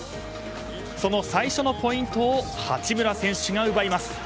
その最初のポイントを八村選手が奪います。